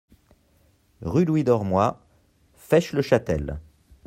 Rue Louis Dormoy, Fesches-le-Châtel